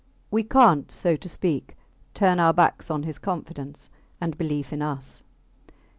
We cant, so to speak, turn our backs on his confidence and belief in us.